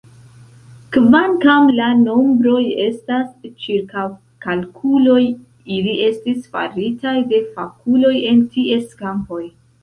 Kvankam la nombroj estas ĉirkaŭkalkuloj, ili estis faritaj de fakuloj en ties kampoj.